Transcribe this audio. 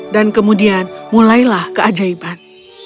dan kemudian mulailah keajaiban